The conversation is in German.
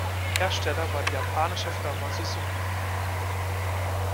Hersteller war die japanische Firma Suzuki.